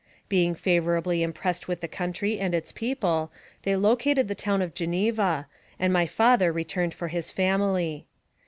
Being favorably im pressed with the country and its people, they located the town of Geneva, and my father returned for his family.